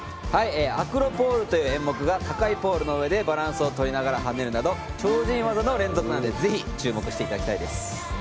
アクロ・ポールという演目が高いポールの上でバランスを取りながら跳ねるなど超人技の連続なのでぜひ注目していただきたいです。